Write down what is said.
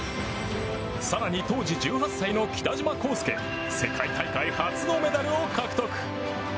更に、当時１８歳の北島康介世界大会初のメダルを獲得。